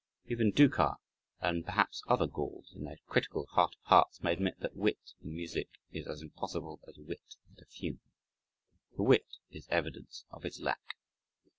Even Dukas, and perhaps other Gauls, in their critical heart of hearts, may admit that "wit" in music, is as impossible as "wit" at a funeral. The wit is evidence of its lack.